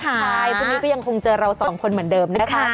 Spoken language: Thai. ใช่พรุ่งนี้ก็ยังคงเจอเราสองคนเหมือนเดิมนะคะ